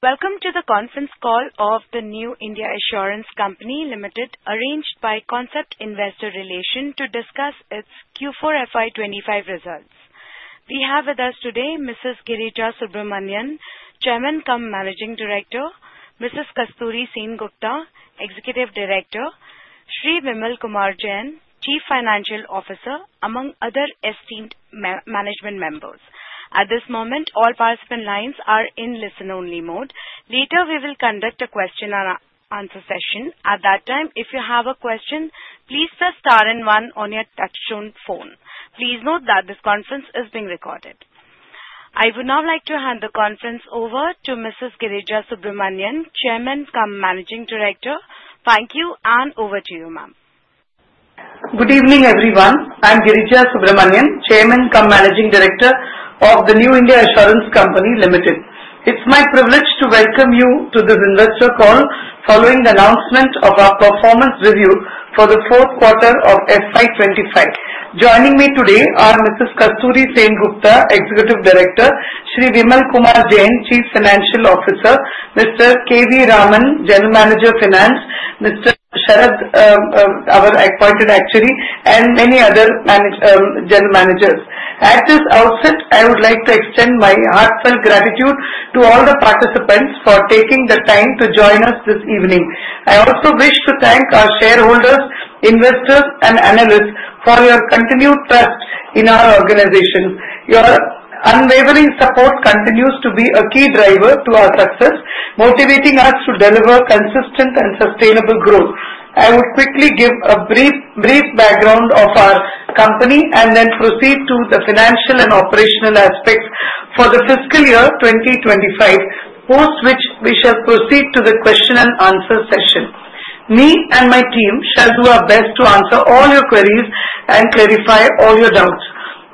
Welcome to the conference call of The New India Assurance Company Limited, arranged by Concept Investor Relations to discuss its Q4 FY25 results. We have with us today Mrs. Girija Subramanian, Chairman and Managing Director. Mrs. Kasturi Sengupta, Executive Director. Shri Vimal Kumar Jain, Chief Financial Officer, among other esteemed management members. At this moment, all participant lines are in listen-only mode. Later, we will conduct a question-and-answer session. At that time, if you have a question, please press star and one on your touch-tone phone. Please note that this conference is being recorded. I would now like to hand the conference over to Mrs. Girija Subramanian, Chairman and Managing Director. Thank you, and over to you, ma'am. Good evening, everyone. I'm Girija Subramanian, Chairman cum Managing Director of the New India Assurance Company Limited. It's my privilege to welcome you to this investor call following the announcement of our performance review for the fourth quarter of FY25. Joining me today are Mrs. Kasturi Sengupta, Executive Director, Shri Vimal Kumar Jain, Chief Financial Officer, Mr. K. V. Raman, General Manager Finance, Mr. Sharad, our Appointed Actuary, and many other General Managers. At this outset, I would like to extend my heartfelt gratitude to all the participants for taking the time to join us this evening. I also wish to thank our shareholders, investors, and analysts for your continued trust in our organization. Your unwavering support continues to be a key driver to our success, motivating us to deliver consistent and sustainable growth. I would quickly give a brief background of our company and then proceed to the financial and operational aspects for the fiscal year 2025, post which we shall proceed to the question-and-answer session. Me and my team shall do our best to answer all your queries and clarify all your doubts.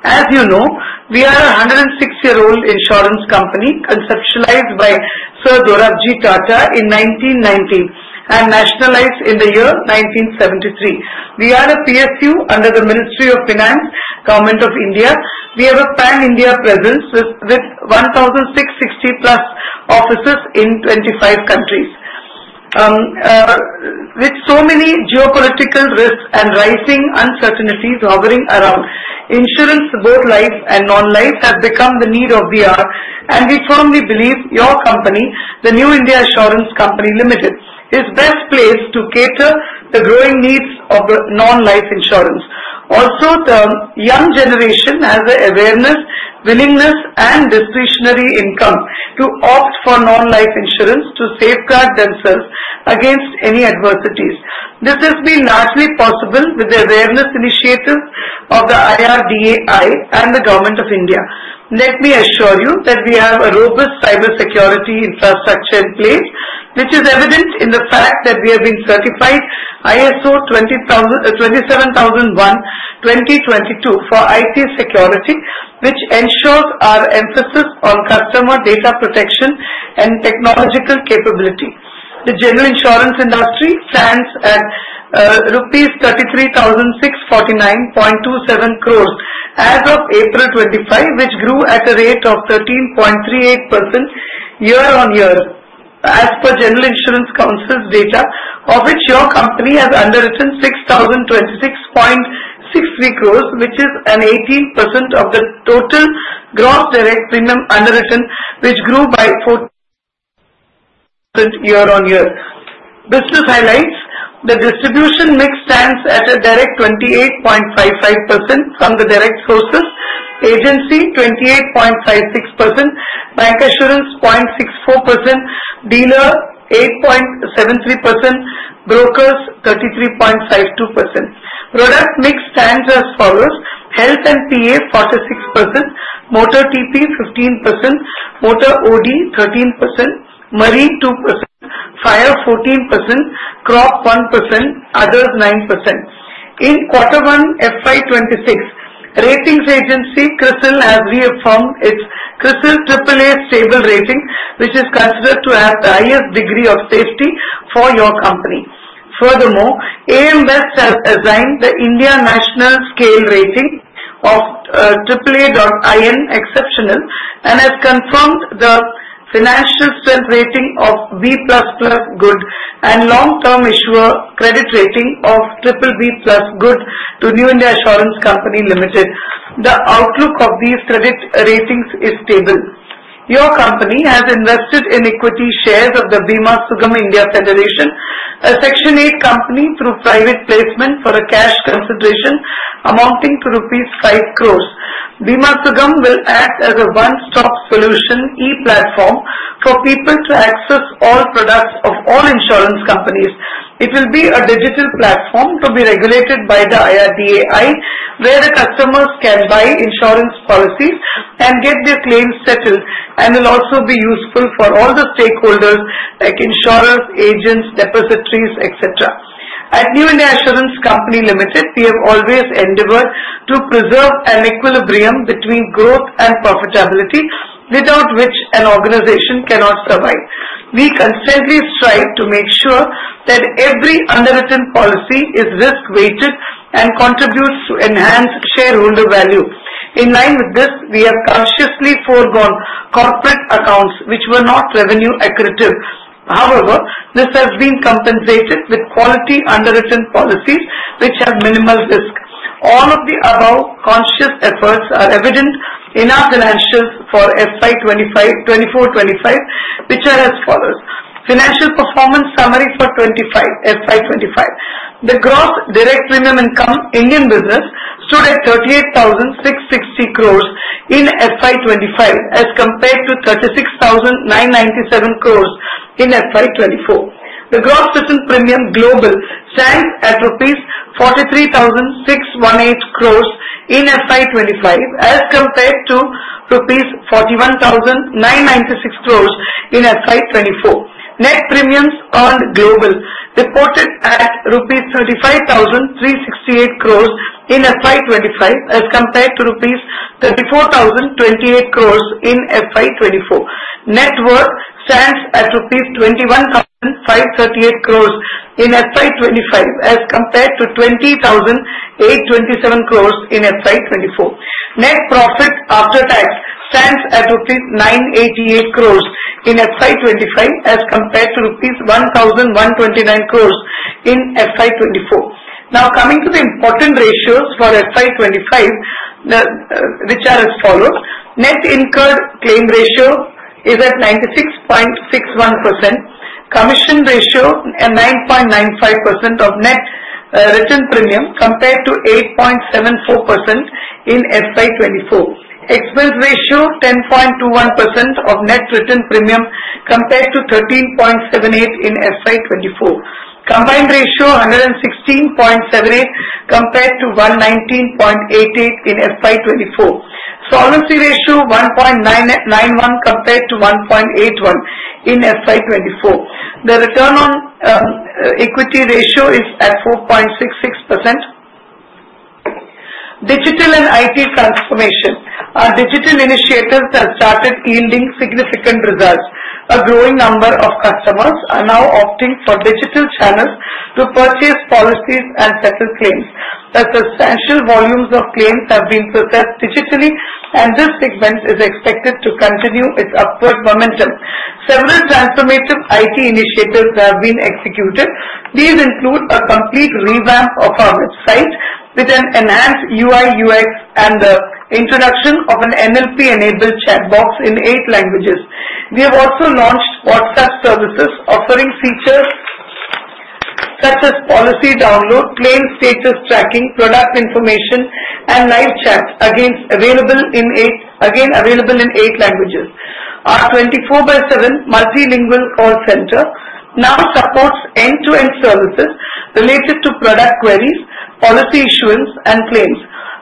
As you know, we are a 106-year-old insurance company conceptualized by Sir Dorabji Tata in 1919 and nationalized in the year 1973. We are a PSU under the Ministry of Finance, Government of India. We have a pan-India presence with 1,660-plus offices in 25 countries. With so many geopolitical risks and rising uncertainties hovering around, insurance, both life and non-life, has become the need of the hour, and we firmly believe your company, The New India Assurance Company Limited, is the best place to cater to the growing needs of non-life insurance. Also, the young generation has an awareness, willingness, and discretionary income to opt for non-life insurance to safeguard themselves against any adversities. This has been largely possible with the awareness initiative of the IRDAI and the Government of India. Let me assure you that we have a robust cybersecurity infrastructure in place, which is evident in the fact that we have been certified ISO 27001:2022 for IT security, which ensures our emphasis on customer data protection and technological capability. The general insurance industry stands at INR 33,649.27 crores as of April 25, which grew at a rate of 13.38% year-on-year as per General Insurance Council's data, of which your company has underwritten 6,026.63 crores, which is 18% of the total gross direct premium underwritten, which grew by 14% year-on-year. Business highlights: the distribution mix stands at a direct 28.55% from the direct sources, agency 28.56%, bancassurance 0.64%, dealer 8.73%, brokers 33.52%. Product mix stands as follows: Health and PA 46%, Motor TP 15%, Motor OD 13%, Marine 2%, Fire 14%, Crop 1%, others 9%. In quarter one FY26, ratings agency CRISIL has reaffirmed its CRISIL AAA stable rating, which is considered to have the highest degree of safety for your company. Furthermore, AM Best has assigned the India National Scale rating of AAA.IN Exceptional and has confirmed the Financial Strength rating of B++ Good and Long Term Issuer Credit rating of BBB+ Good to New India Assurance Company Limited. The outlook of these credit ratings is stable. Your company has invested in equity shares of the Bima Sugam India Federation, a Section 8 company through private placement for a cash consideration amounting to rupees 5 crores. Bima Sugam will act as a one-stop solution e-platform for people to access all products of all insurance companies. It will be a digital platform to be regulated by the IRDAI, where the customers can buy insurance policies and get their claims settled, and will also be useful for all the stakeholders like insurers, agents, depositories, etc. At New India Assurance Company Limited, we have always endeavored to preserve an equilibrium between growth and profitability, without which an organization cannot survive. We consistently strive to make sure that every underwritten policy is risk-weighted and contributes to enhance shareholder value. In line with this, we have consciously foregone corporate accounts, which were not revenue-accurate. However, this has been compensated with quality underwritten policies, which have minimal risk. All of the above conscious efforts are evident in our financials for FY24-25, which are as follows: Financial performance summary for FY25: The gross direct premium income Indian business stood at 38,660 crores in FY25, as compared to 36,997 crores in FY24. The gross retained premium global stands at INR 43,618 crores in FY25, as compared to INR 41,996 crores in FY24. Net premiums earned global reported at rupees 35,368 crores in FY25, as compared to rupees 34,028 crores in FY24. Net worth stands at rupees 21,538 crores in FY25, as compared to 20,827 crores in FY24. Net profit after tax stands at rupees 988 crores in FY25, as compared to rupees 1,129 crores in FY24. Now, coming to the important ratios for FY25, which are as follows: Net incurred claim ratio is at 96.61%, commission ratio 9.95% of net retained premium compared to 8.74% in FY24, expense ratio 10.21% of net retained premium compared to 13.78% in FY24, combined ratio 116.78% compared to 119.88% in FY24, solvency ratio 1.91% compared to 1.81% in FY24. The return on equity ratio is at 4.66%. Digital and IT transformation: Our digital initiatives have started yielding significant results. A growing number of customers are now opting for digital channels to purchase policies and settle claims. A substantial volume of claims have been processed digitally, and this segment is expected to continue its upward momentum. Several transformative IT initiatives have been executed. These include a complete revamp of our website with an enhanced UI/UX and the introduction of an NLP-enabled chatbot in eight languages. We have also launched WhatsApp services, offering features such as policy download, claim status tracking, product information, and live chat, again available in eight languages. Our 24/7 multilingual call center now supports end-to-end services related to product queries, policy issuance, and claims.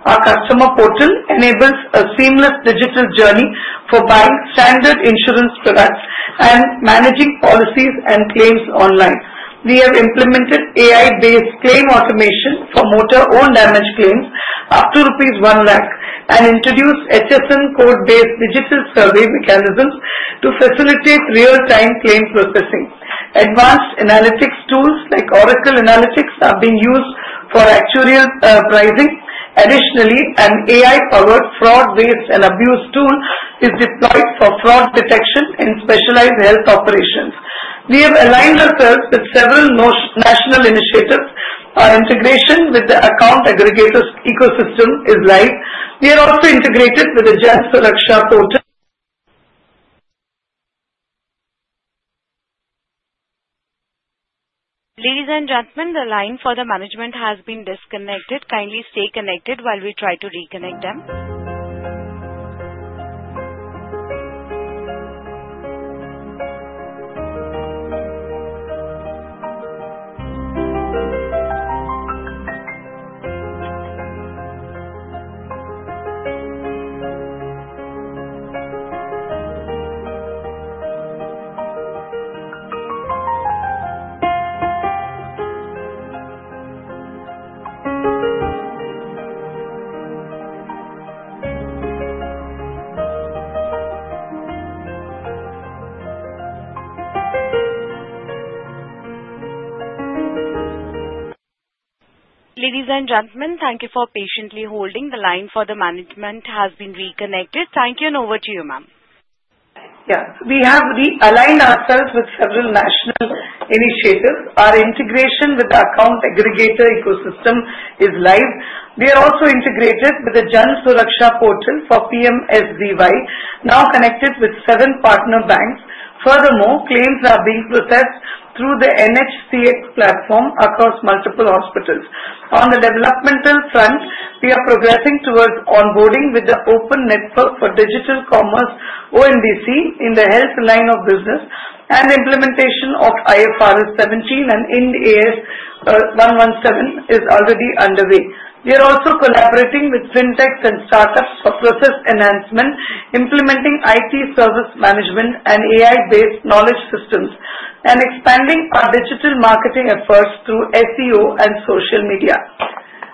Our customer portal enables a seamless digital journey for buying standard insurance products and managing policies and claims online. We have implemented AI-based claim automation for Motor own damage claims up to 1,000,000 rupees and introduced HSN code-based digital survey mechanisms to facilitate real-time claim processing. Advanced analytics tools like Oracle Analytics have been used for actuarial pricing. Additionally, an AI-powered fraud and abuse tool is deployed for fraud detection in specialized health operations. We have aligned ourselves with several national initiatives. Our integration with the Account Aggregator ecosystem is live. We are also integrated with the Jan Suraksha portal. Ladies and gentlemen, the line for the management has been disconnected. Kindly stay connected while we try to reconnect them. Ladies and gentlemen, thank you for patiently holding. The line for the management has been reconnected. Thank you, and over to you, ma'am. Yes, we have aligned ourselves with several national initiatives. Our integration with the Account Aggregator ecosystem is live. We are also integrated with the Jan Suraksha portal for PMSBY, now connected with seven partner banks. Furthermore, claims are being processed through the NHCX platform across multiple hospitals. On the developmental front, we are progressing towards onboarding with the Open Network for Digital Commerce (ONDC) in the health line of business, and implementation of IFRS 17 and Ind AS 117 is already underway. We are also collaborating with fintechs and startups for process enhancement, implementing IT service management and AI-based knowledge systems, and expanding our digital marketing efforts through SEO and social media.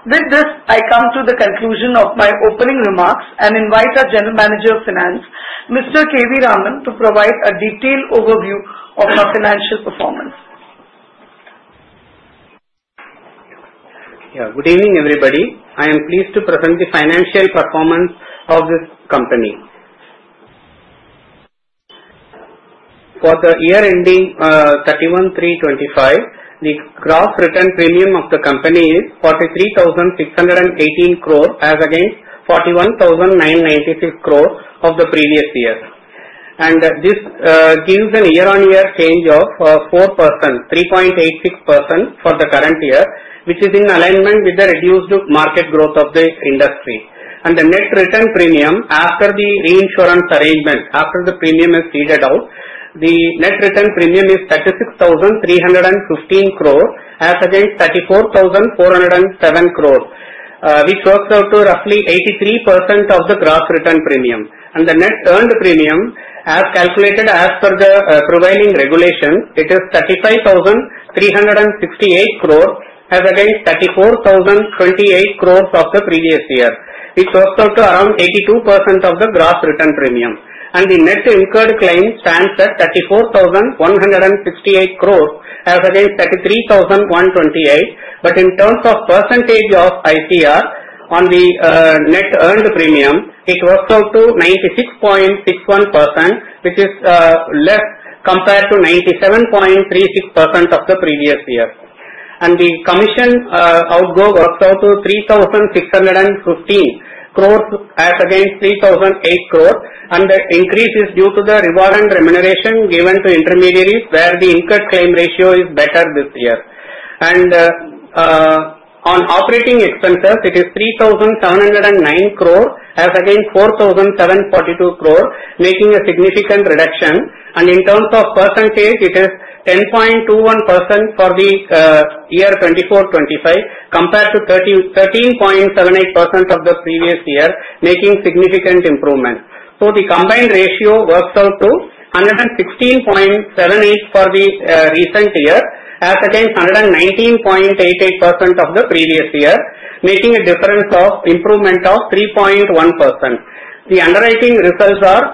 With this, I come to the conclusion of my opening remarks and invite our General Manager of Finance, Mr. K. V. Raman, to provide a detailed overview of our financial performance. Yeah, good evening, everybody. I am pleased to present the financial performance of this company. For the year ending 31/3/2025, the gross retained premium of the company is 43,618 crore, as against 41,996 crore of the previous year. This gives a year-on-year change of 4%, 3.86% for the current year, which is in alignment with the reduced market growth of the industry. The net retained premium after the reinsurance arrangement, after the premium is ceded out, the net retained premium is 36,315 crore, as against 34,407 crore, which works out to roughly 83% of the gross retained premium. The net earned premium, as calculated as per the prevailing regulation, it is 35,368 crore, as against 34,028 crore of the previous year, which works out to around 82% of the gross retained premium. The net incurred claim stands at 34,168 crore, as against 33,128. But in terms of percentage of ICR on the net earned premium, it works out to 96.61%, which is less compared to 97.36% of the previous year. And the commission outgo works out to INR 3,615 crore, as against INR 3,008 crore. And the increase is due to the reward and remuneration given to intermediaries, where the incurred claim ratio is better this year. And on operating expenses, it is 3,709 crore, as against 4,742 crore, making a significant reduction. And in terms of percentage, it is 10.21% for the year 24/25 compared to 13.78% of the previous year, making significant improvement. So the combined ratio works out to 116.78% for the recent year, as against 119.88% of the previous year, making a difference of improvement of 3.1%. The underwriting results are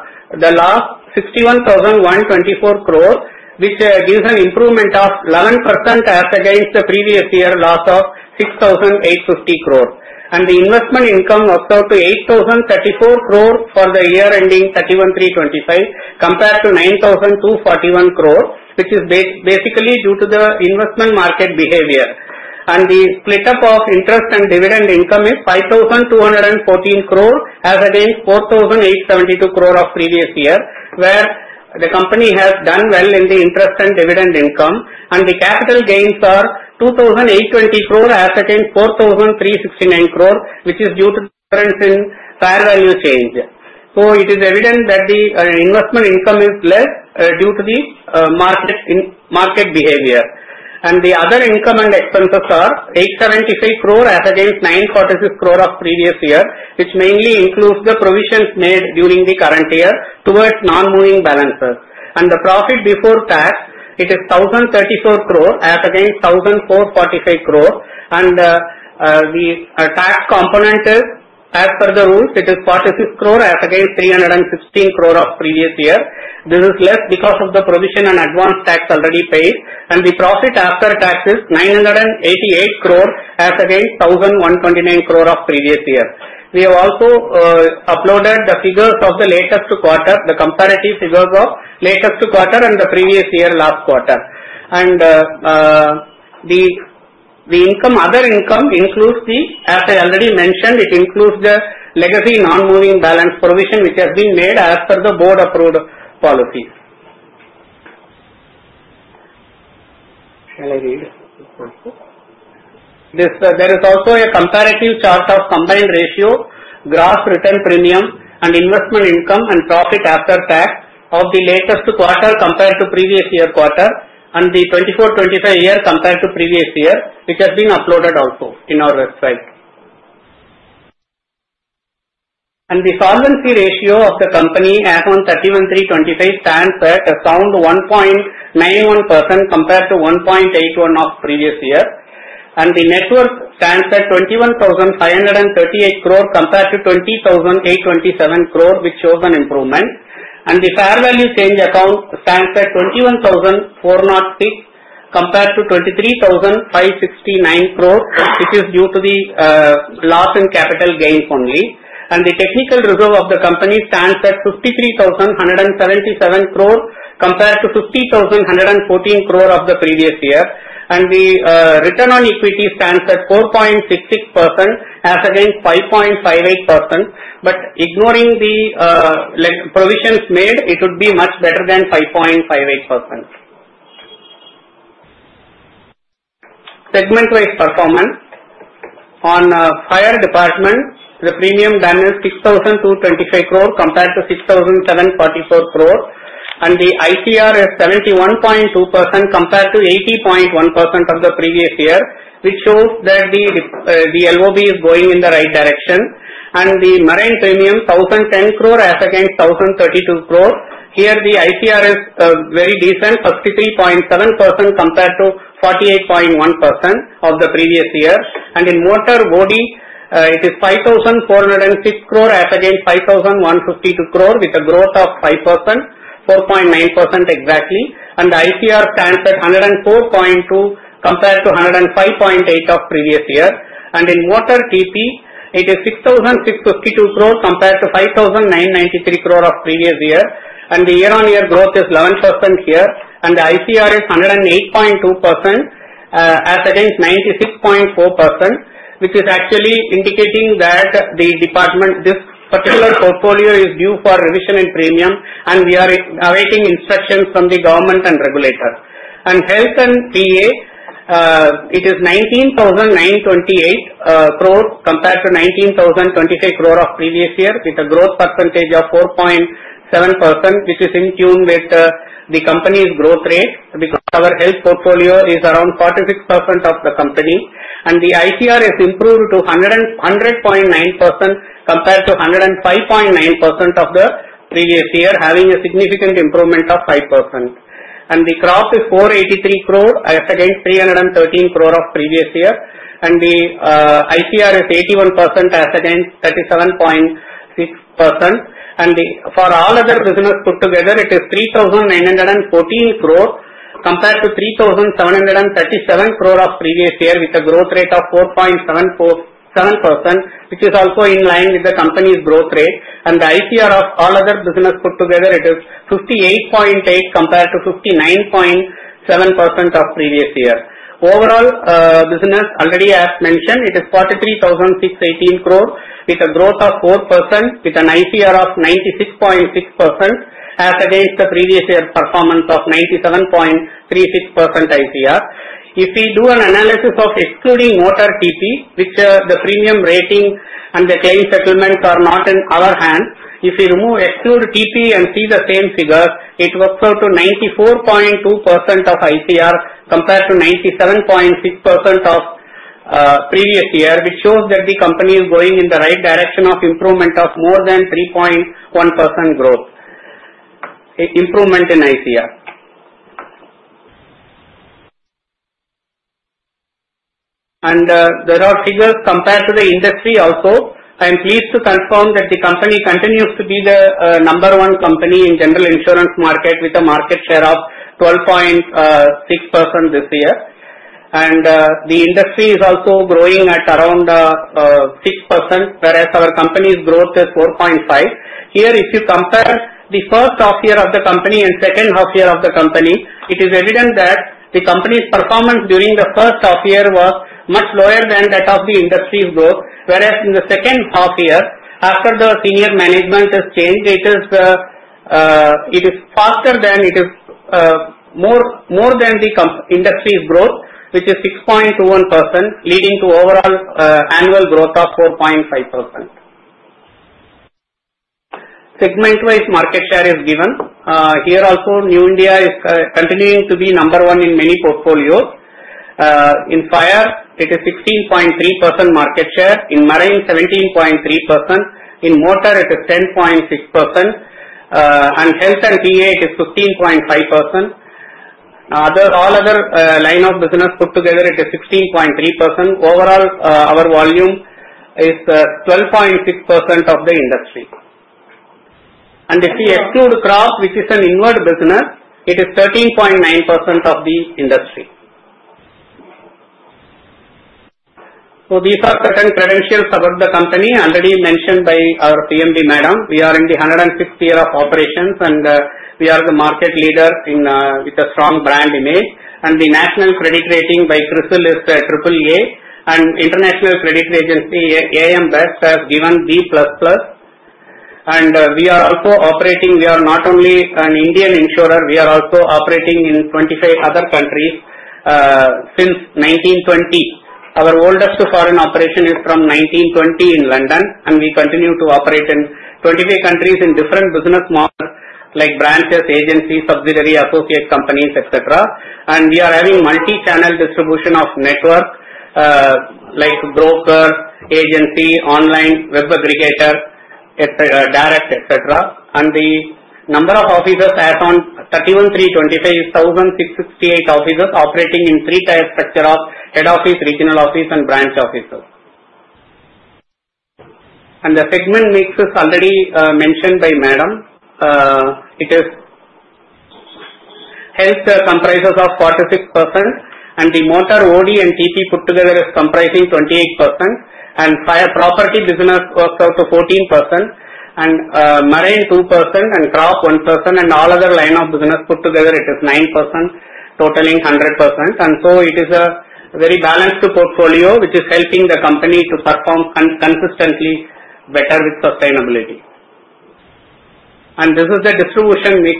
the loss 61,124 crore, which gives an improvement of 11%, as against the previous year loss of 6,850 crore. The investment income works out to 8,034 crore for the year ending 31/3/2025 compared to 9,241 crore, which is basically due to the investment market behavior. The split-up of interest and dividend income is 5,214 crore, as against 4,872 crore of previous year, where the company has done well in the interest and dividend income. The capital gains are 2,820 crore, as against 4,369 crore, which is due to the difference in fair value change. It is evident that the investment income is less due to the market behavior. The other income and expenses are 875 crore, as against 946 crore of previous year, which mainly includes the provisions made during the current year towards non-moving balances. The profit before tax, it is 1,034 crore, as against 1,445 crore. The tax component is, as per the rules, it is 46 crore, as against 316 crore of previous year. This is less because of the provision and advance tax already paid. The profit after tax is 988 crore, as against 1,129 crore of previous year. We have also uploaded the figures of the latest two quarters, the comparative figures of latest two quarters and the previous year last quarter. The other income includes the, as I already mentioned, it includes the legacy non-moving balance provision, which has been made as per the board-approved policies. Shall I read? There is also a comparative chart of combined ratio, gross retained premium, and investment income and profit after tax of the latest two quarters compared to previous year quarter, and the 24/25 year compared to previous year, which has been uploaded also in our website. The solvency ratio of the company as of 31/3/2025 stands at around 1.91% compared to 1.81% of previous year. The net worth stands at ₹21,538 crore compared to ₹20,827 crore, which shows an improvement. The fair value change account stands at ₹21,406 compared to ₹23,569 crore, which is due to the loss in capital gains only. The technical reserve of the company stands at ₹53,177 crore compared to ₹50,114 crore of the previous year. The return on equity stands at 4.66%, as against 5.58%. But ignoring the provisions made, it would be much better than 5.58%. Segment-wise performance: on fire department, the premium is ₹6,225 crore compared to ₹6,744 crore. The ICR is 71.2% compared to 80.1% of the previous year, which shows that the LOB is going in the right direction. The marine premium, ₹1,010 crore, as against ₹1,032 crore. Here, the ICR is very decent, 53.7% compared to 48.1% of the previous year. And in Motor OD, it is 5,406 crore, as against 5,152 crore, with a growth of 5%, 4.9% exactly. And the ICR stands at 104.2% compared to 105.8% of previous year. And in Motor TP, it is 6,652 crore compared to 5,993 crore of previous year. And the year-on-year growth is 11% here. And the ICR is 108.2%, as against 96.4%, which is actually indicating that this particular portfolio is due for revision and premium, and we are awaiting instructions from the government and regulator. And Health and PA, it is 19,928 crore compared to 19,025 crore of previous year, with a growth percentage of 4.7%, which is in tune with the company's growth rate because our health portfolio is around 46% of the company. And the ICR has improved to 100.9% compared to 105.9% of the previous year, having a significant improvement of 5%. And the Crop is 483 crore, as against 313 crore of previous year. And the ICR is 81%, as against 37.6%. And for all other businesses put together, it is 3,914 crore compared to 3,737 crore of previous year, with a growth rate of 4.7%, which is also in line with the company's growth rate. And the ICR of all other businesses put together, it is 58.8% compared to 59.7% of previous year. Overall business, already as mentioned, it is 43,618 crore, with a growth of 4%, with an ICR of 96.6%, as against the previous year performance of 97.36% ICR. If we do an analysis of excluding Motor TP, which the premium rating and the claim settlements are not in our hands, if we remove, exclude TP and see the same figures, it works out to 94.2% of ICR compared to 97.6% of previous year, which shows that the company is going in the right direction of improvement of more than 3.1% growth improvement in ICR. And there are figures compared to the industry also. I am pleased to confirm that the company continues to be the number one company in general insurance market, with a market share of 12.6% this year. And the industry is also growing at around 6%, whereas our company's growth is 4.5%. Here, if you compare the first half year of the company and second half year of the company, it is evident that the company's performance during the first half year was much lower than that of the industry's growth, whereas in the second half year, after the senior management has changed, it is faster than it is more than the industry's growth, which is 6.21%, leading to overall annual growth of 4.5%. Segment-wise market share is given. Here also, New India is continuing to be number one in many portfolios. In Fire, it is 16.3% market share. In Marine, 17.3%. In Motor, it is 10.6%. And Health and PA, it is 15.5%. All other line of business put together, it is 16.3%. Overall, our volume is 12.6% of the industry. And if we exclude Crop, which is an inward business, it is 13.9% of the industry. These are certain credentials about the company already mentioned by our CMD Madam. We are in the 105th year of operations, and we are the market leader with a strong brand image. The national credit rating by CRISIL is AAA. International credit agency AM Best has given B++. We are also operating, we are not only an Indian insurer, we are also operating in 25 other countries since 1920. Our oldest foreign operation is from 1920 in London, and we continue to operate in 25 countries in different business models, like branches, agencies, subsidiary, associate companies, etc. We are having multi-channel distribution of network, like broker, agency, online, web aggregator, direct, etc. The number of offices as on 31/3/2025 is 1,668 offices operating in three-tier structure of head office, regional office, and branch offices. The segment mix is already mentioned by Madam. It is health comprises of 46%, and the Motor OD, and TP put together is comprising 28%. Fire property business works out to 14%, and Marine 2%, and Crop 1%, and all other line of business put together, it is 9%, totaling 100%. This is a very balanced portfolio, which is helping the company to perform consistently better with sustainability. This is the distribution mix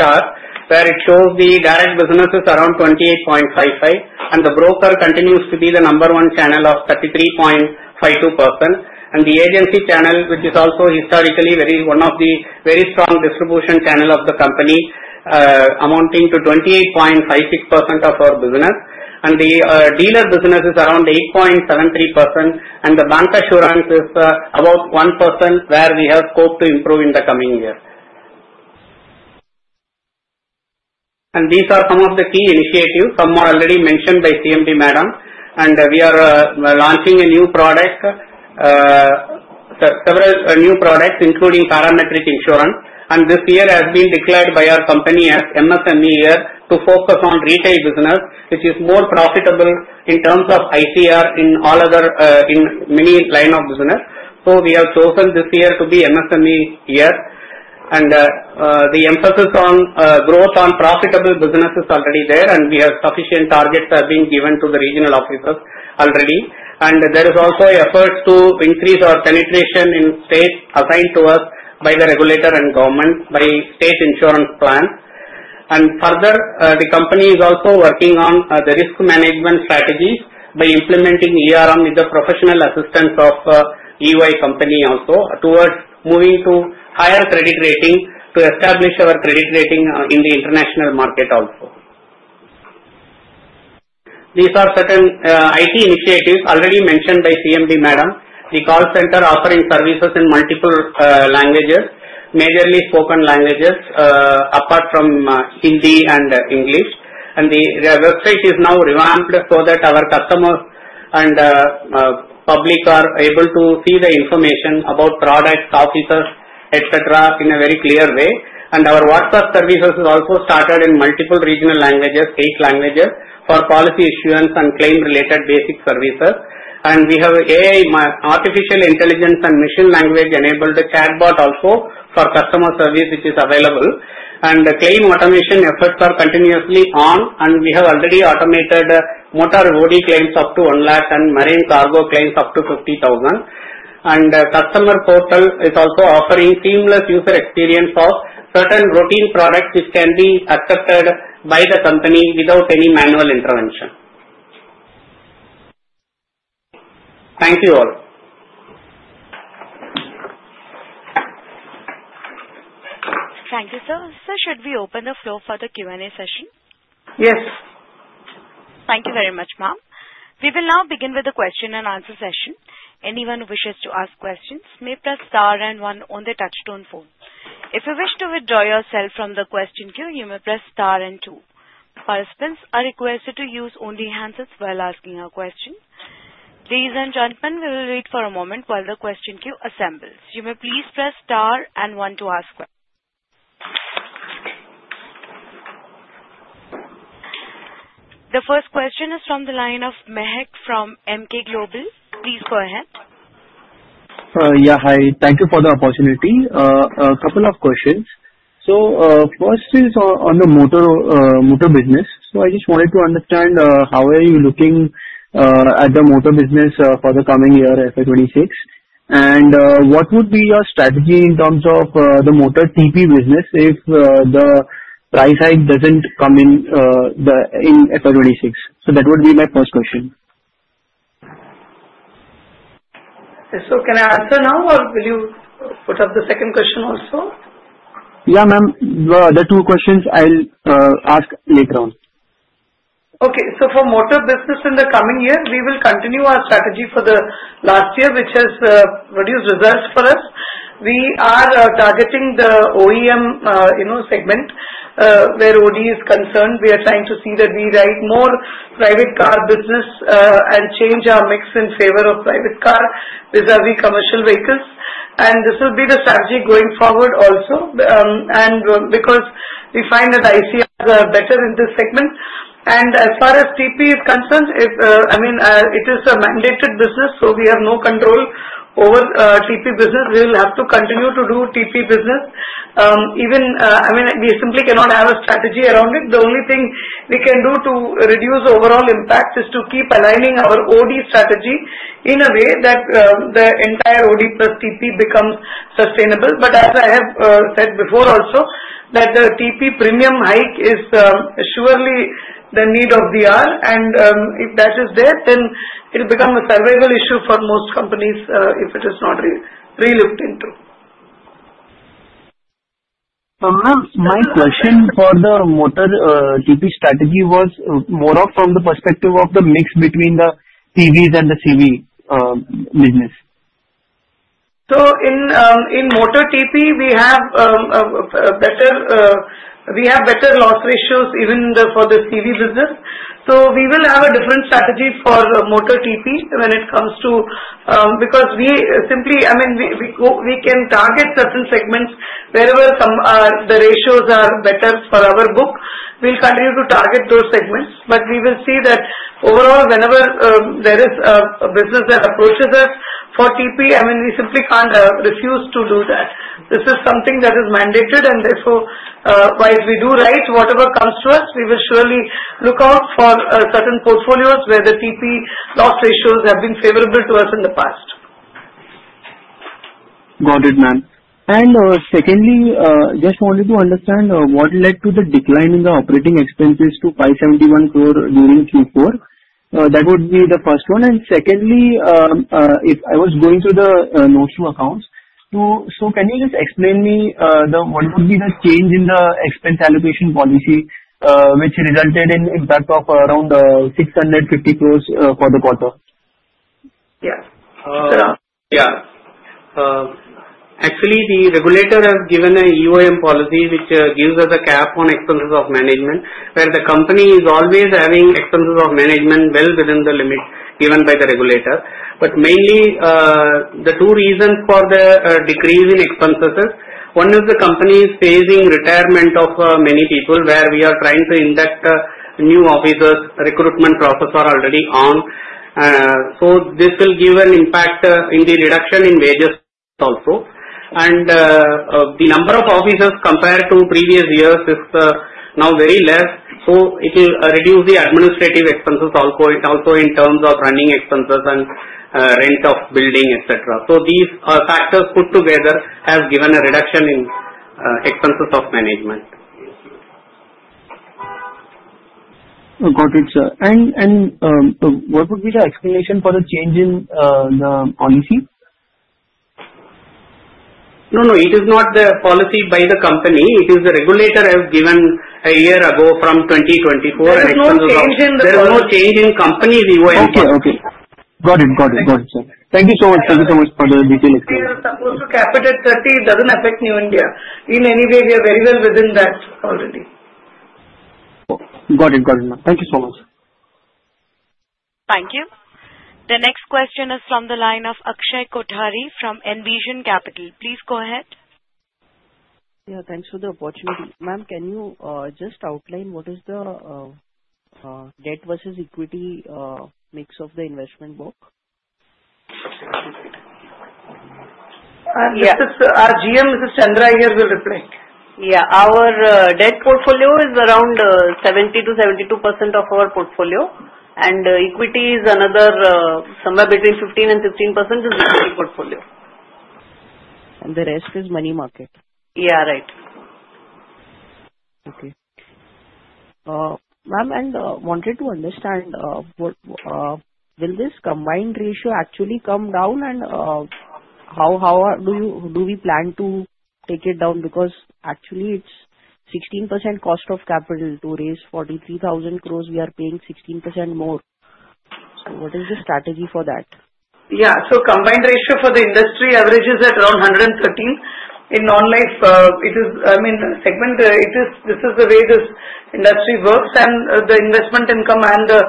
chart, where it shows the direct business is around 28.55%, and the broker continues to be the number one channel of 33.52%. The agency channel, which is also historically one of the very strong distribution channels of the company, amounting to 28.56% of our business. The dealer business is around 8.73%, and the bancassurance is about 1%, where we have hoped to improve in the coming year. These are some of the key initiatives, some more already mentioned by CMD Madam. We are launching a new product, several new products, including parametric insurance. This year has been declared by our company as MSME year to focus on retail business, which is more profitable in terms of ICR in many line of business. So we have chosen this year to be MSME year. The emphasis on growth on profitable business is already there, and we have sufficient targets that have been given to the regional offices already. There is also effort to increase our penetration in states assigned to us by the regulator and government, by state insurance plans. Further, the company is also working on the risk management strategies by implementing with the professional assistance of EY also towards moving to higher credit rating to establish our credit rating in the international market also. These are certain IT initiatives already mentioned by CMD Madam. The call center offering services in multiple languages, majorly spoken languages apart from Hindi and English. The website is now revamped so that our customers and public are able to see the information about products, offices, etc. in a very clear way. Our WhatsApp services are also started in multiple regional languages, eight languages for policy issuance and claim-related basic services. We have AI, artificial intelligence, and machine learning-enabled chatbot also for customer service, which is available. The claim automation efforts are continuously on, and we have already automated Motor OD claims up to 1 lakh and marine cargo claims up to 50,000. The customer portal is also offering seamless user experience of certain routine products, which can be accepted by the company without any manual intervention. Thank you all. Thank you, sir. Sir, should we open the floor for the Q&A session? Yes. Thank you very much, ma'am. We will now begin with the question and answer session. Anyone who wishes to ask questions may press star and one on the touch-tone phone. If you wish to withdraw yourself from the question queue, you may press star and two. Participants are requested to use only handsets while asking a question. Ladies and gentlemen, we will wait for a moment while the question queue assembles. You may please press star and one to ask questions. The first question is from the line of Mehek from Emkay Global. Please go ahead. Yeah, hi. Thank you for the opportunity. A couple of questions. So first is on the Motor business. So I just wanted to understand how are you looking at the Motor business for the coming year, FY26? And what would be your strategy in terms of the Motor TP business if the price hike doesn't come in FY26? So that would be my first question. So can I answer now, or will you put up the second question also? Yeah, ma'am. The other two questions I'll ask later on. Okay. So for motor business in the coming year, we will continue our strategy for the last year, which has produced results for us. We are targeting the OEM segment where OD is concerned. We are trying to see that we write more private car business and change our mix in favor of private car, vis-à-vis commercial vehicles. And this will be the strategy going forward also. And because we find that ICRs are better in this segment. And as far as TP is concerned, I mean, it is a mandated business, so we have no control over TP business. We will have to continue to do TP business. I mean, we simply cannot have a strategy around it. The only thing we can do to reduce overall impact is to keep aligning our OD strategy in a way that the entire OD plus TP becomes sustainable. But as I have said before also, that the TP premium hike is surely the need of the hour. And if that is there, then it will become a survival issue for most companies if it is not re-looked into. Ma'am, my question for the motor TP strategy was more from the perspective of the mix between the CVs and the CV business. So in motor TP, we have better loss ratios even for the CV business. So we will have a different strategy for motor TP when it comes to because we simply, I mean, we can target certain segments wherever the ratios are better for our book. We'll continue to target those segments, but we will see that overall, whenever there is a business that approaches us for TP, I mean, we simply can't refuse to do that. This is something that is mandated, and therefore, why we do right, whatever comes to us, we will surely look out for certain portfolios where the TP loss ratios have been favorable to us in the past. Got it, ma'am. And secondly, just wanted to understand what led to the decline in the operating expenses to 571 crore during Q4. That would be the first one. And secondly, if I was going to the notes to accounts, so can you just explain me what would be the change in the expense allocation policy, which resulted in impact of around 650 crores for the quarter? Yeah. Yeah. Actually, the regulator has given an EOM policy, which gives us a cap on expenses of management, where the company is always having expenses of management well within the limit given by the regulator. But mainly, the two reasons for the decrease in expenses is one is the company is facing retirement of many people, where we are trying to induct new officers. Recruitment process are already on. So this will give an impact in the reduction in wages also. And the number of officers compared to previous years is now very less. So it will reduce the administrative expenses also in terms of running expenses and rent of building, etc. So these factors put together have given a reduction in expenses of management. Got it, sir. And what would be the explanation for the change in the policy? No, no. It is not the policy by the company. It is the regulator has given a year ago from 2024. There's no change in the policy. There's no change in company EOM policy. Okay, okay. Got it, got it, got it, sir. Thank you so much. Thank you so much for the detailed explanation. We are supposed to cap it at 30. It doesn't affect New India in any way. We are very well within that already. Got it, got it, ma'am. Thank you so much. Thank you. The next question is from the line of Akshay Kothari from Envision Capital. Please go ahead. Yeah, thanks for the opportunity. Ma'am, can you just outline what is the debt versus equity mix of the investment book? Yes. This is GM. This is Chandra. I here will reply. Yeah. Our debt portfolio is around 70%-72% of our portfolio, and equity is another somewhere between 15% and 16% is equity portfolio. The rest is money market? Yeah, right. Okay. Ma'am, and wanted to understand, will this combined ratio actually come down? And how do we plan to take it down? Because actually, it's 16% cost of capital to raise 43,000 crores. We are paying 16% more. So what is the strategy for that? Yeah. So combined ratio for the industry averages at around 113%. In non-life, it is, I mean, segment, this is the way this industry works. And the investment income and the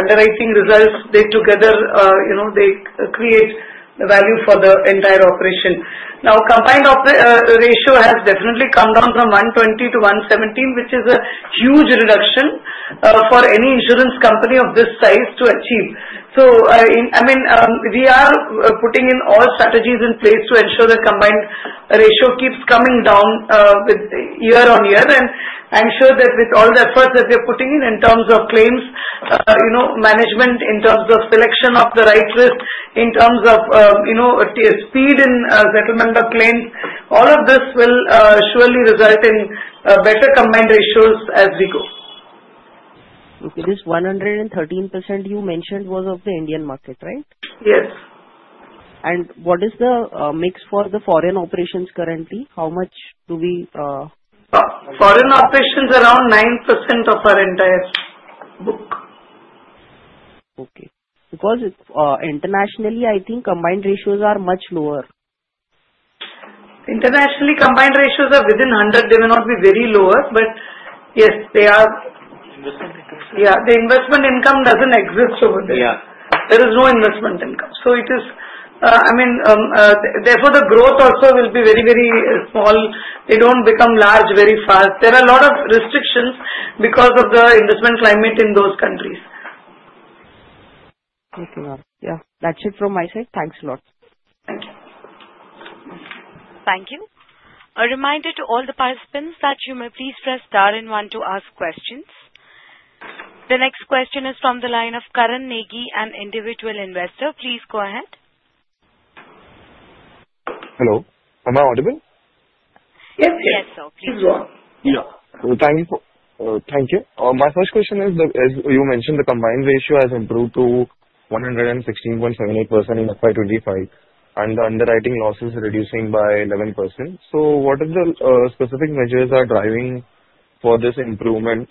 underwriting results, they together, they create the value for the entire operation. Now, combined ratio has definitely come down from 120% to 117%, which is a huge reduction for any insurance company of this size to achieve. So, I mean, we are putting in all strategies in place to ensure that combined ratio keeps coming down year on year. And I'm sure that with all the efforts that we are putting in in terms of claims, management in terms of selection of the right risk, in terms of speed in settlement of claims, all of this will surely result in better combined ratios as we go. Okay. This 113% you mentioned was of the Indian market, right? Yes. What is the mix for the foreign operations currently? How much do we? Foreign operations around 9% of our entire book. Okay. Because internationally, I think combined ratios are much lower. Internationally, combined ratios are within 100. They may not be very lower, but yes, they are. Investment income is? Yeah. The investment income doesn't exist over there. Yeah. There is no investment income. So it is, I mean, therefore, the growth also will be very, very small. They don't become large very fast. There are a lot of restrictions because of the investment climate in those countries. Okay. Yeah. That's it from my side. Thanks a lot. Thank you. Thank you. A reminder to all the participants that you may please press star and one to ask questions. The next question is from the line of Karan Negi, an individual investor. Please go ahead. Hello. Am I audible? Yes, yes. Yes, sir. Please. Yeah. Thank you. Thank you. My first question is, as you mentioned, the combined ratio has improved to 116.78% in FY25, and the underwriting loss is reducing by 11%. So what are the specific measures that are driving for this improvement?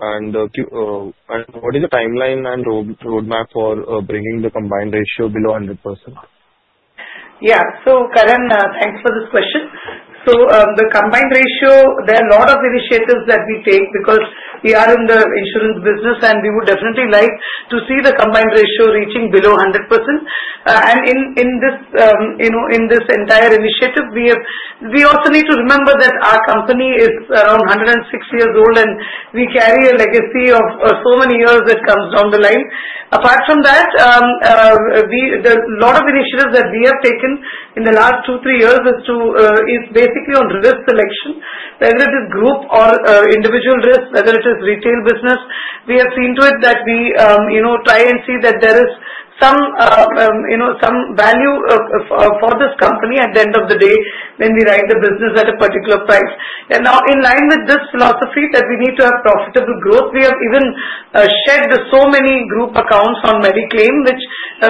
And what is the timeline and roadmap for bringing the combined ratio below 100%? Yeah. So, Karan, thanks for this question. So the Combined Ratio, there are a lot of initiatives that we take because we are in the insurance business, and we would definitely like to see the Combined Ratio reaching below 100%. And in this entire initiative, we also need to remember that our company is around 106 years old, and we carry a legacy of so many years that comes down the line. Apart from that, a lot of initiatives that we have taken in the last two, three years is basically on risk selection, whether it is group or individual risk, whether it is retail business. We have seen to it that we try and see that there is some value for this company at the end of the day when we write the business at a particular price. Now, in line with this philosophy that we need to have profitable growth, we have even shed so many group accounts on Mediclaim, which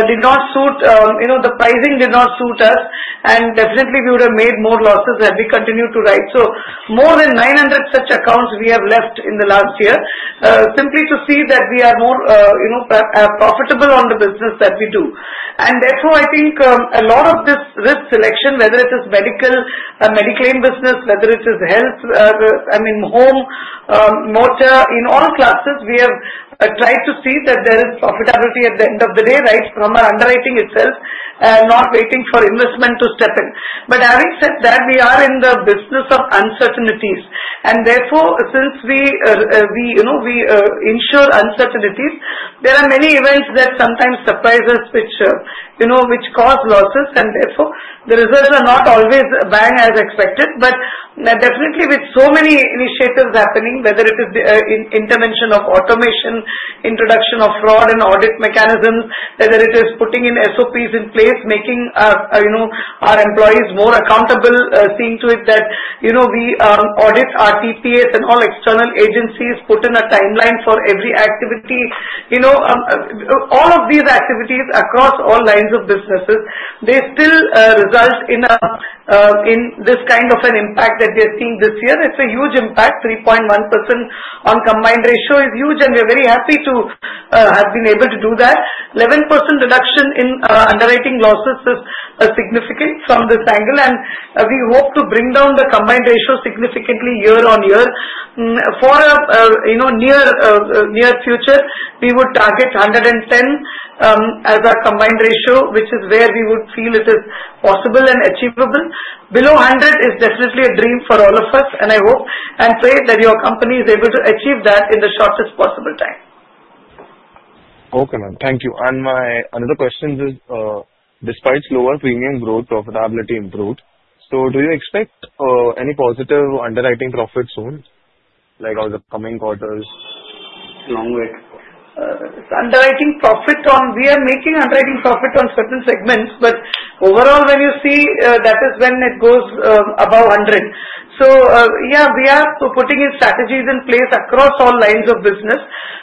did not suit the pricing, did not suit us. And definitely, we would have made more losses had we continued to write. So, more than 900 such accounts we have left in the last year simply to see that we are more profitable on the business that we do. And therefore, I think a lot of this risk selection, whether it is medical, Mediclaim business, whether it is health, I mean, home, motor, in all classes, we have tried to see that there is profitability at the end of the day, right, from our underwriting itself and not waiting for investment to step in. But having said that, we are in the business of uncertainties. Therefore, since we insure uncertainties, there are many events that sometimes surprise us, which cause losses. Therefore, the results are not always bang on as expected. Definitely, with so many initiatives happening, whether it is intervention of automation, introduction of fraud and audit mechanisms, whether it is putting in SOPs in place, making our employees more accountable, seeing to it that we audit our TPAs and all external agencies, put in a timeline for every activity. All of these activities across all lines of business, they still result in this kind of an impact that we are seeing this year. It's a huge impact. 3.1% on combined ratio is huge, and we are very happy to have been able to do that. 11% reduction in underwriting losses is significant from this angle, and we hope to bring down the combined ratio significantly year on year. For a near future, we would target 110 as our combined ratio, which is where we would feel it is possible and achievable. Below 100 is definitely a dream for all of us, and I hope and pray that your company is able to achieve that in the shortest possible time. Okay, ma'am. Thank you. And my another question is, despite slower premium growth, profitability improved. So do you expect any positive underwriting profit soon, like on the upcoming quarters? Long way. Underwriting profit? No, we are making underwriting profit on certain segments, but overall, when you see, that is when it goes above 100, so yeah, we are putting in strategies in place across all lines of business,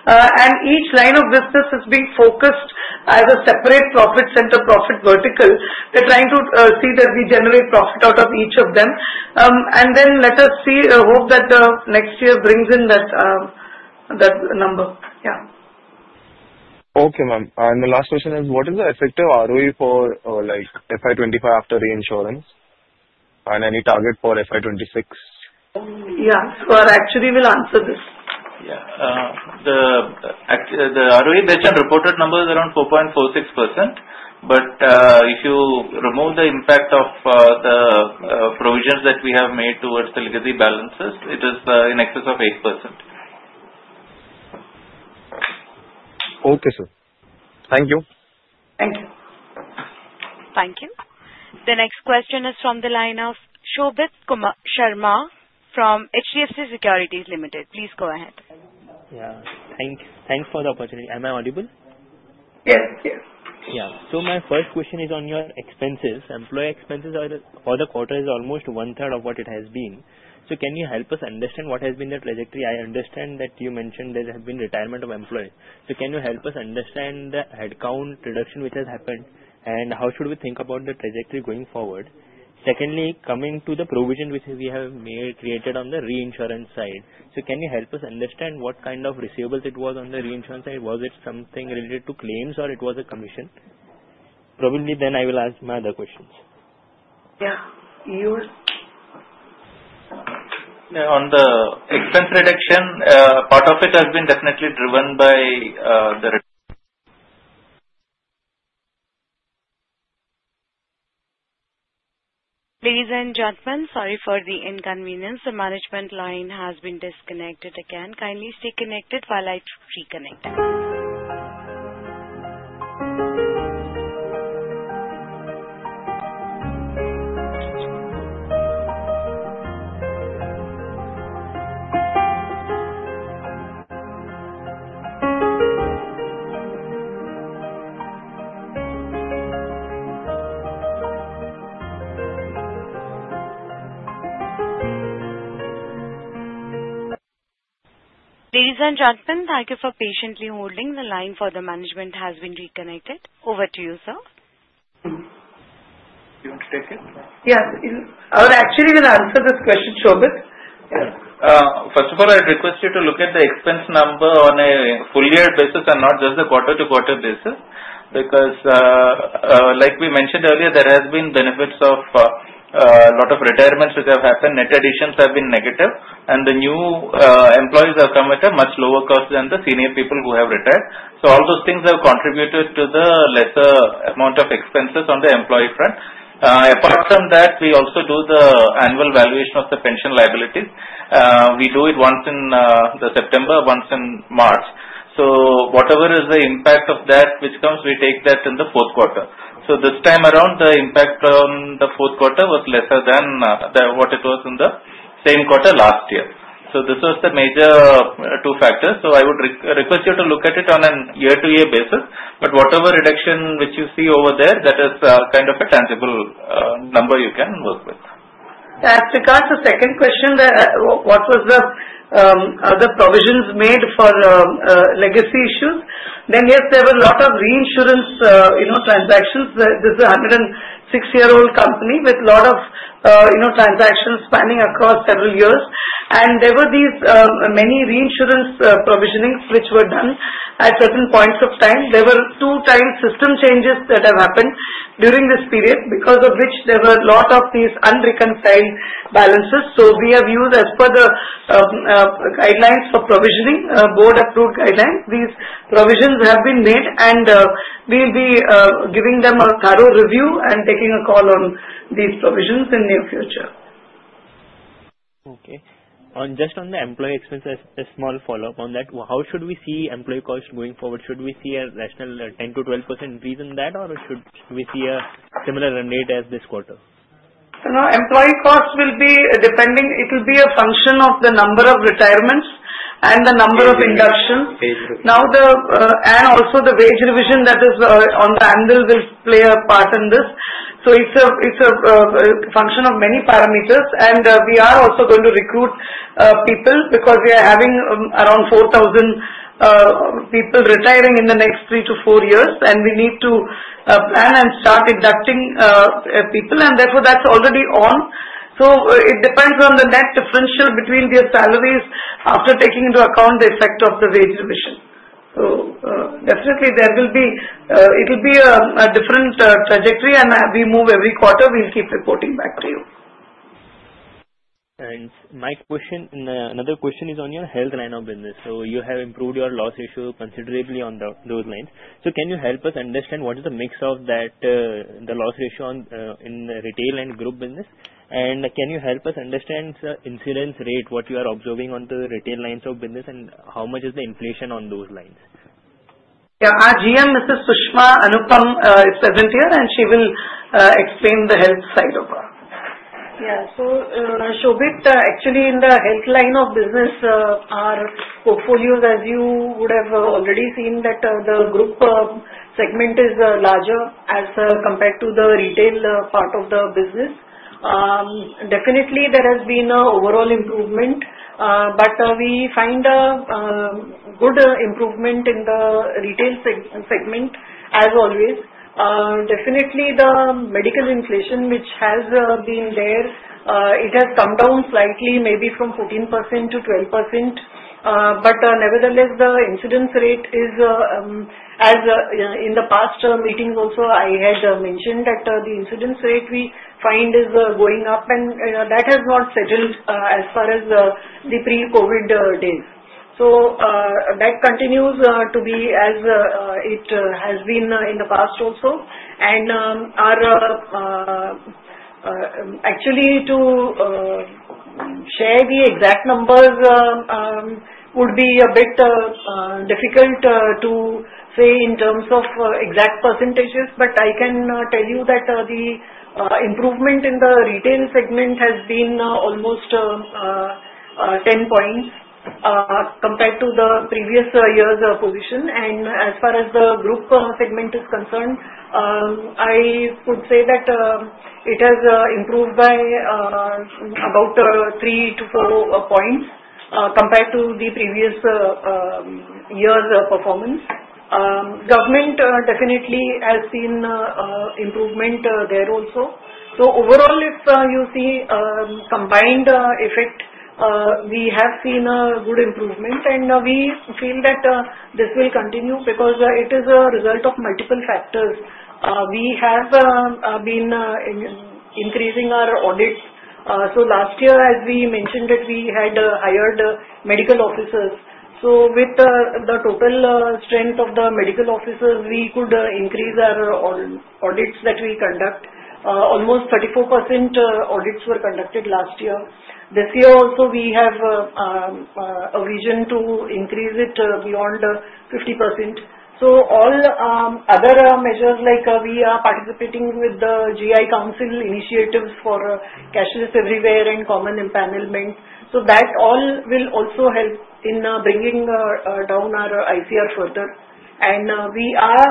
and each line of business is being focused as a separate profit center, profit vertical. We're trying to see that we generate profit out of each of them, and then let us see, hope that next year brings in that number. Yeah. Okay, ma'am. And the last question is, what is the effective ROE for FY25 after reinsurance? And any target for FY26? Yeah. So I actually will answer this. Yeah. The ROE that you have reported now is around 4.46%. But if you remove the impact of the provisions that we have made towards the legacy balances, it is in excess of 8%. Okay, sir. Thank you. Thank you. Thank you. The next question is from the line of Shobhit Sharma from HDFC Securities Limited. Please go ahead. Yeah. Thanks for the opportunity. Am I audible? Yes, yes. Yeah. So my first question is on your expenses. Employee expenses for the quarter is almost one-third of what it has been. So can you help us understand what has been the trajectory? I understand that you mentioned there has been retirement of employees. So can you help us understand the headcount reduction which has happened? And how should we think about the trajectory going forward? Secondly, coming to the provision which we have created on the reinsurance side. So can you help us understand what kind of receivables it was on the reinsurance side? Was it something related to claims, or it was a commission? Probably then I will ask my other questions. Yeah. On the expense reduction, part of it has been definitely driven by the. Ladies and gentlemen, sorry for the inconvenience. The management line has been disconnected again. Kindly stay connected while I reconnect it. Ladies and gentlemen, thank you for patiently holding. The line for the management has been reconnected. Over to you, sir. You want to take it? Yes. I will actually answer this question, Shobhit. Yeah. First of all, I'd request you to look at the expense number on a full-year basis and not just a quarter-to-quarter basis. Because like we mentioned earlier, there have been benefits of a lot of retirements which have happened. Net additions have been negative. And the new employees have come at a much lower cost than the senior people who have retired. So all those things have contributed to the lesser amount of expenses on the employee front. Apart from that, we also do the annual valuation of the pension liabilities. We do it once in September, once in March. So whatever is the impact of that which comes, we take that in the fourth quarter. So this time around, the impact on the fourth quarter was lesser than what it was in the same quarter last year. So this was the major two factors. So I would request you to look at it on a year-to-year basis. But whatever reduction which you see over there, that is kind of a tangible number you can work with. As regards to the second question, what were the other provisions made for legacy issues? Then, yes, there were a lot of reinsurance transactions. This is a 106-year-old company with a lot of transactions spanning across several years. And there were these many reinsurance provisionings which were done at certain points of time. There were two time system changes that have happened during this period, because of which there were a lot of these unreconciled balances. So we have used, as per the guidelines for provisioning, board-approved guidelines. These provisions have been made. And we'll be giving them a thorough review and taking a call on these provisions in the near future. Okay. Just on the employee expenses, a small follow-up on that. How should we see employee costs going forward? Should we see a rational 10%-12% increase in that, or should we see a similar rate as this quarter? Employee cost will be depending. It will be a function of the number of retirements and the number of inductions. Now and also the wage revision that is on the anvil will play a part in this, so it's a function of many parameters, and we are also going to recruit people because we are having around 4,000 people retiring in the next three to four years, and we need to plan and start inducting people, and therefore that's already on. It depends on the net differential between their salaries after taking into account the effect of the wage revision, so definitely there will be a different trajectory, and we move every quarter. We'll keep reporting back to you. Thanks. My question, another question, is on your health line of business. So you have improved your loss ratio considerably on those lines. So can you help us understand what is the mix of the loss ratio in retail and group business? And can you help us understand the incidence rate, what you are observing on the retail lines of business, and how much is the inflation on those lines? Yeah. Our GM, Mrs. Sushma Anupam, is present here, and she will explain the health side of her. Yeah. So Shobhit, actually, in the health line of business, our portfolios, as you would have already seen, that the group segment is larger as compared to the retail part of the business. Definitely, there has been an overall improvement. But we find a good improvement in the retail segment, as always. Definitely, the medical inflation, which has been there, it has come down slightly, maybe from 14% to 12%. But nevertheless, the incidence rate is, as in the past meetings also, I had mentioned that the incidence rate we find is going up, and that has not settled as far as the pre-COVID days. So that continues to be as it has been in the past also. Actually, to share the exact numbers would be a bit difficult to say in terms of exact percentages. I can tell you that the improvement in the retail segment has been almost 10 points compared to the previous year's position. As far as the group segment is concerned, I could say that it has improved by about three to four points compared to the previous year's performance. Government definitely has seen improvement there also. Overall, if you see a combined effect, we have seen a good improvement. We feel that this will continue because it is a result of multiple factors. We have been increasing our audits. Last year, as we mentioned, that we had hired medical officers. With the total strength of the medical officers, we could increase our audits that we conduct. Almost 34% audits were conducted last year. This year also, we have a vision to increase it beyond 50%. So all other measures, like we are participating with the GI Council initiatives for Cashless Everywhere and Common Empanelment. So that all will also help in bringing down our ICR further. And we are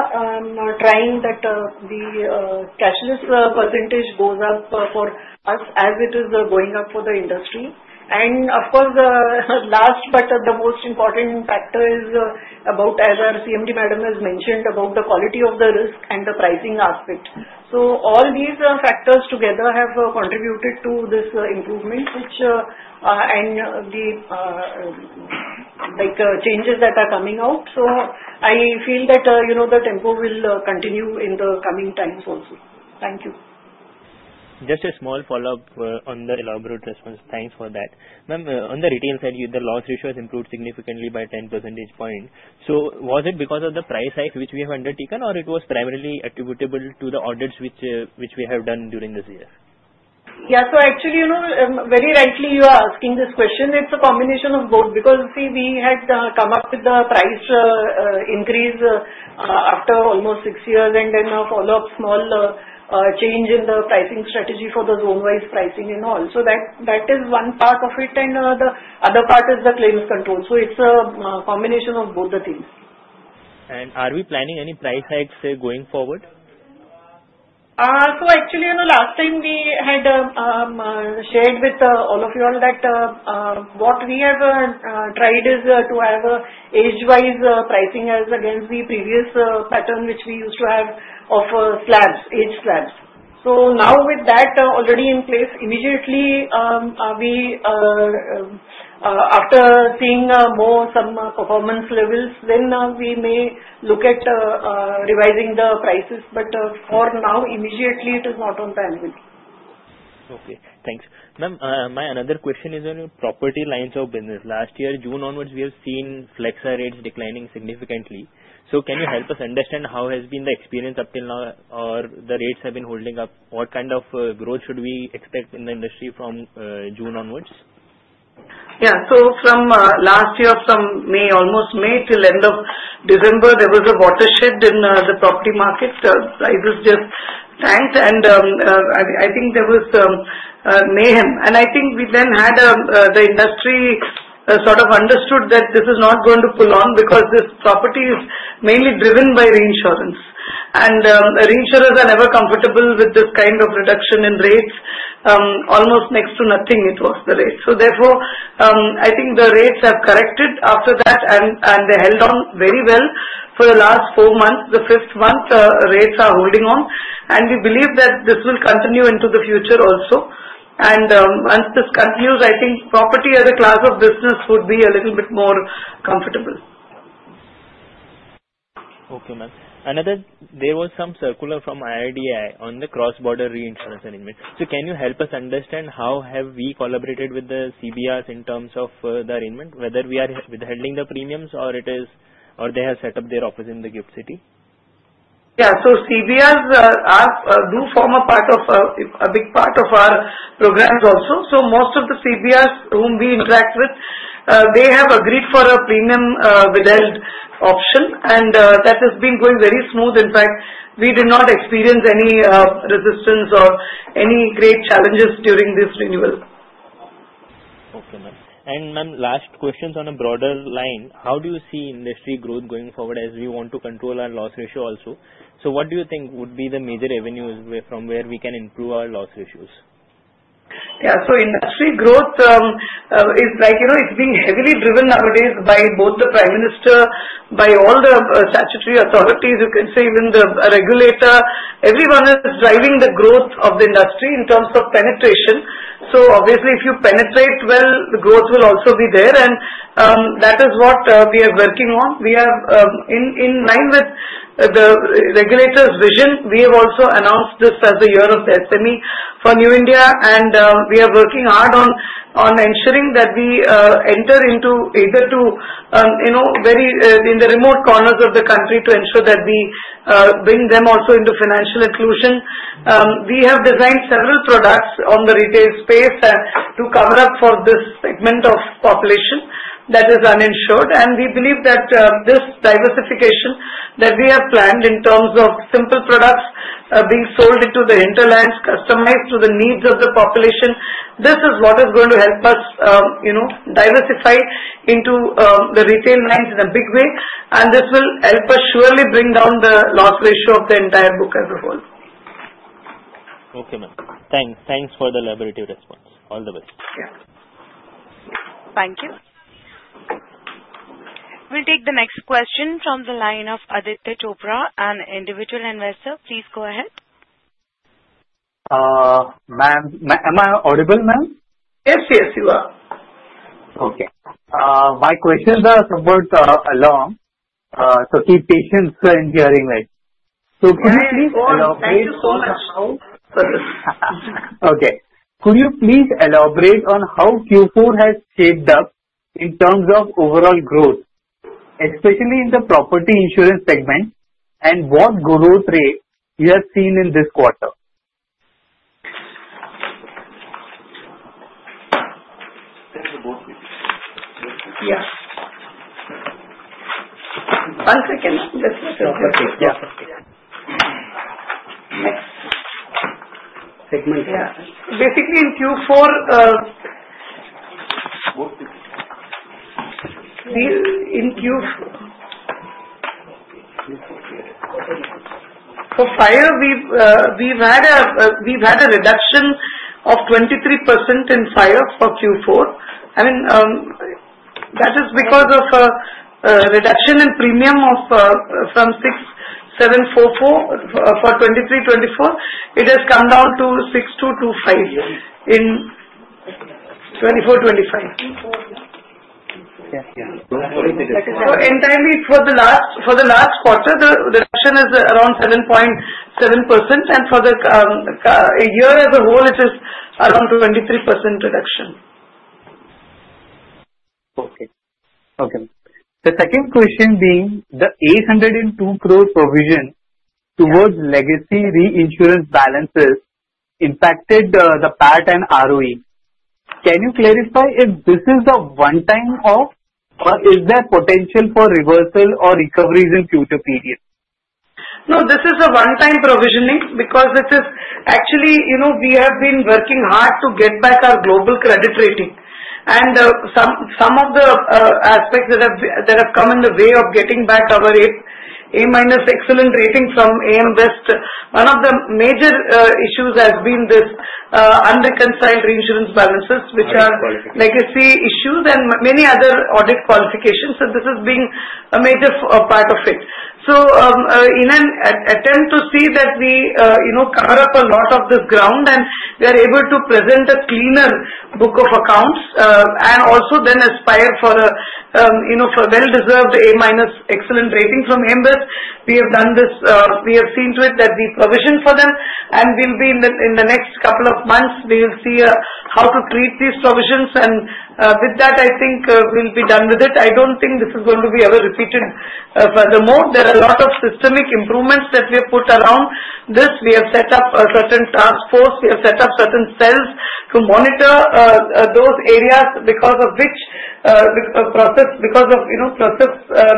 trying that the cashless percentage goes up for us as it is going up for the industry. And of course, last but the most important factor is about, as our CMD Madam has mentioned, about the quality of the risk and the pricing aspect. So all these factors together have contributed to this improvement and the changes that are coming out. So I feel that the tempo will continue in the coming times also. Thank you. Just a small follow-up on the elaborate response. Thanks for that. Ma'am, on the retail side, the loss ratio has improved significantly by 10 percentage points. So was it because of the price hike which we have undertaken, or it was primarily attributable to the audits which we have done during this year? Yeah. So actually, very rightly, you are asking this question. It's a combination of both. Because see, we had come up with the price increase after almost six years and then a follow-up small change in the pricing strategy for the zone-wise pricing and all. So that is one part of it. And the other part is the claims control. So it's a combination of both the things. Are we planning any price hikes going forward? So, actually, last time we had shared with all of you all that what we have tried is to have age-wise pricing as against the previous pattern which we used to have of age slabs. So now, with that already in place, immediately after seeing some performance levels, then we may look at revising the prices. But for now, immediately, it is not on the anvil. Okay. Thanks. Ma'am, my another question is on property lines of business. Last year, June onwards, we have seen FLEXA rates declining significantly. So can you help us understand how has been the experience up till now, or the rates have been holding up? What kind of growth should we expect in the industry from June onwards? Yeah. So, from last year, from almost May till end of December, there was a watershed in the property market. Prices just tanked, and I think there was mayhem. And I think we then had the industry sort of understood that this is not going to pull on because this property is mainly driven by reinsurance, and reinsurers are never comfortable with this kind of reduction in rates. Almost next to nothing, it was the rates. So, therefore, I think the rates have corrected after that, and they held on very well for the last four months. The fifth month, rates are holding on, and we believe that this will continue into the future also. And once this continues, I think property as a class of business would be a little bit more comfortable. Okay, ma'am. Another, there was some circular from IRDAI on the cross-border reinsurance arrangement. So can you help us understand how have we collaborated with the CBRs in terms of the arrangement, whether we are withholding the premiums or they have set up their office in the GIFT City? Yeah. So CBRs do form a big part of our programs also. So most of the CBRs whom we interact with, they have agreed for a premium withheld option. And that has been going very smooth. In fact, we did not experience any resistance or any great challenges during this renewal. Okay, ma'am, and ma'am, last question on a broader line. How do you see industry growth going forward as we want to control our loss ratio also, so what do you think would be the major avenues from where we can improve our loss ratios? Yeah. So industry growth is being heavily driven nowadays by both the Prime Minister, by all the statutory authorities, you can say, even the regulator. Everyone is driving the growth of the industry in terms of penetration. So obviously, if you penetrate well, the growth will also be there. And that is what we are working on. In line with the regulator's vision, we have also announced this as the year of the SME for New India. And we are working hard on ensuring that we enter into even the very remote corners of the country to ensure that we bring them also into financial inclusion. We have designed several products on the retail space to cover up for this segment of population that is uninsured. We believe that this diversification that we have planned in terms of simple products being sold into the hinterlands, customized to the needs of the population, this is what is going to help us diversify into the retail lines in a big way. This will help us surely bring down the loss ratio of the entire book as a whole. Okay, ma'am. Thanks for the elaborate response. All the best. Yeah. Thank you. We'll take the next question from the line of Aditya Chopra, an individual investor. Please go ahead. Ma'am, am I audible, ma'am? Yes, yes, you are. Okay. My questions are somewhat long, so keep patience in hearing me. So can you please elaborate on how? Thank you so much for this. Okay. Could you please elaborate on how Q4 has shaped up in terms of overall growth, especially in the property insurance segment, and what growth rate you have seen in this quarter? Yeah. One second. This was in Q4. Okay. Yeah. Next. Basically, in Q4, for Fire, we've had a reduction of 23% in Fire for Q4. I mean, that is because of a reduction in premium from 6,744 for 2023-24. It has come down to 6,225 in 2024-25. So entirely, for the last quarter, the reduction is around 7.7%. And for the year as a whole, it is around 23% reduction. Okay. Okay. The second question being the 802 crore provision towards legacy reinsurance balances impacted the PAT and ROE. Can you clarify if this is a one-time or is there potential for reversal or recoveries in future periods? No, this is a one-time provisioning because actually, we have been working hard to get back our global credit rating, and some of the aspects that have come in the way of getting back our A- (Excellent) rating from AM Best, one of the major issues has been these unreconciled reinsurance balances, which are legacy issues and many other audit qualifications, so this is being a major part of it. In an attempt to see that we cover up a lot of this ground and we are able to present a cleaner book of accounts and also then aspire for a well-deserved A- (Excellent rating from AM Best, we have done this. We have seen to it that we provision for them, and in the next couple of months, we will see how to treat these provisions, and with that, I think we'll be done with it. I don't think this is going to be ever repeated furthermore. There are a lot of systemic improvements that we have put around this. We have set up a certain task force. We have set up certain cells to monitor those areas because of which process, because of process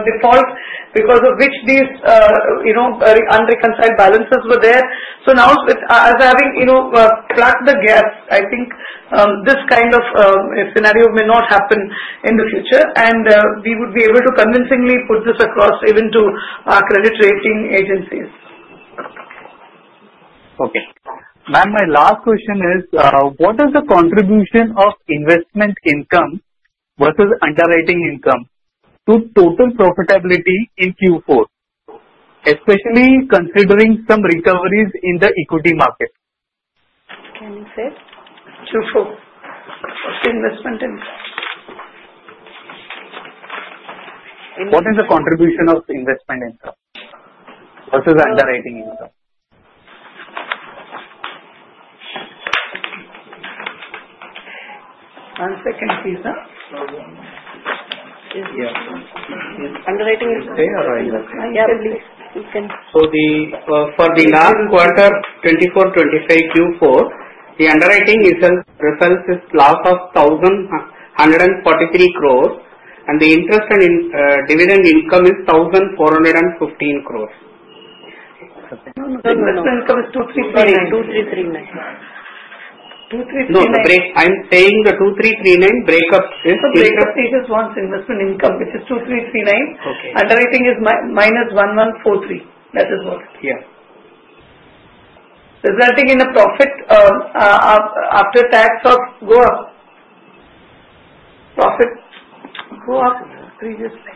default, because of which these unreconciled balances were there, so now, as having plugged the gaps, I think this kind of scenario may not happen in the future, and we would be able to convincingly put this across even to our credit rating agencies. Okay. Ma'am, my last question is, what is the contribution of investment income versus underwriting income to total profitability in Q4, especially considering some recoveries in the equity market? Can you say? Q4. What's the investment income? What is the contribution of investment income versus underwriting income? One second, please. Underwriting income. Say or write that. Yeah, please. You can. For the last quarter, 2024, 2025, Q4, the underwriting refers to a loss of 1,143 crores, and the interest and dividend income is 1,415 crores. The investment income is 2,339. No, no. I'm saying the 2,339 breakup is the investment. So the investment is net investment income, which is 2,339. Underwriting is minus 1,143. That is what. Yeah. Resulting in a profit after tax of, go up. Profit go up previously.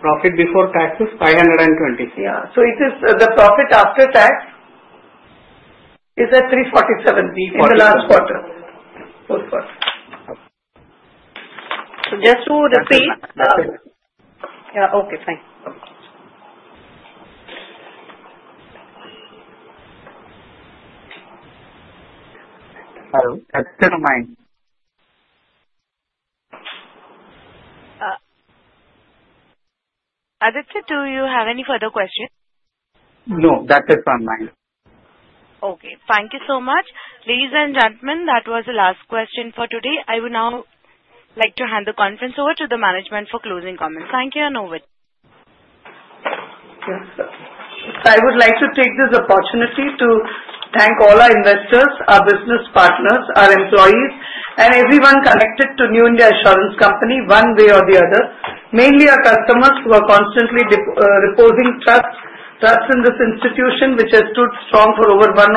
Profit before tax is 520. Yeah. So it is the profit after tax is at 347 in the last quarter, fourth quarter. So just to repeat. Yeah. Okay. Fine. Hello. That's it on mine. Aditya, do you have any further questions? No. That is on mine. Okay. Thank you so much. Ladies and gentlemen, that was the last question for today. I would now like to hand the conference over to the management for closing comments. Thank you and over. I would like to take this opportunity to thank all our investors, our business partners, our employees, and everyone connected to New India Assurance Company one way or the other, mainly our customers who are constantly reposing trust in this institution, which has stood strong for over 100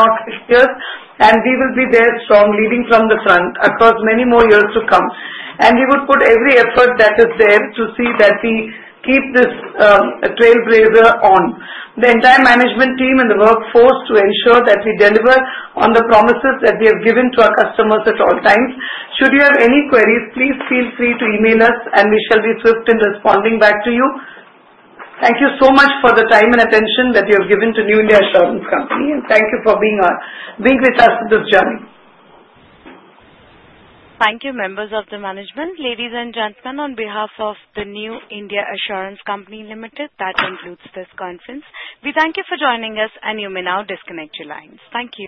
years, and we will be there strong, leading from the front across many more years to come, and we would put every effort that is there to see that we keep this trailblazer on. The entire management team and the workforce to ensure that we deliver on the promises that we have given to our customers at all times. Should you have any queries, please feel free to email us, and we shall be swift in responding back to you. Thank you so much for the time and attention that you have given to New India Assurance Company. Thank you for being with us on this journey. Thank you, members of the management. Ladies and gentlemen, on behalf of the New India Assurance Company Limited, that concludes this conference. We thank you for joining us, and you may now disconnect your lines. Thank you.